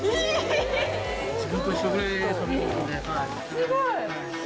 すごい！